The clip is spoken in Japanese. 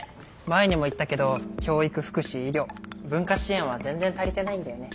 前にも言ったけど教育福祉医療文化支援は全然足りてないんだよね。